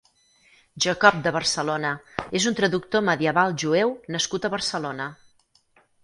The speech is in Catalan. Jacob de Barcelona és un traductor medieval jueu nascut a Barcelona.